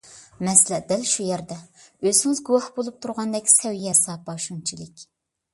مەسىلە دەل شۇ يەردە. ئۆزىڭىز گۇۋاھ بولۇپ تۇرغاندەك سەۋىيە - ساپا شۇنچىلىك.